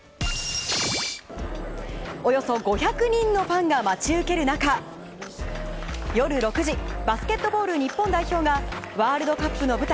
およそ５００人のファンが待ち受ける中夜６時バスケットボール日本代表がワールドカップの舞台